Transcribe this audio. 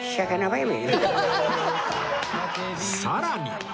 さらに